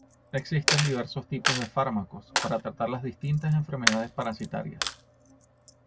Existen diversos tipos de fármacos, para tratar las distintas enfermedades parasitarias.